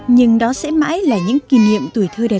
nhưng đó sẽ mãi là những kỷ niệm tuổi thơ đẹp